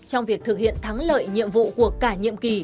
trong việc thực hiện thắng lợi nhiệm vụ của cả nhiệm kỳ